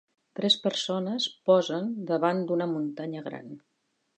Tres persones posen davant d'una muntanya gran.